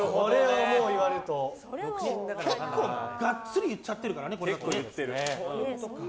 結構がっつり言っちゃってるからね。